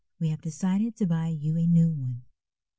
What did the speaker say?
We have decided to buy you a new one."